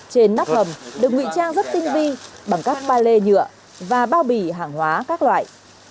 trên nắp hầm được nguy trang rất tinh vi bằng các pha lê nhựa và bao bì hàng hóa các loại